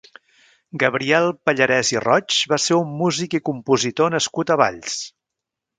Gabriel Pallarès i Roig va ser un músic i compositor nascut a Valls.